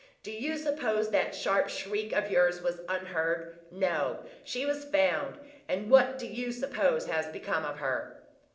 Do you suppose that sharp shriek of yours was unheard? No; she was found; and what do you suppose has become of her?"